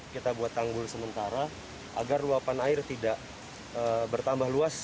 kita buat tanggul sementara agar luapan air tidak bertambah luas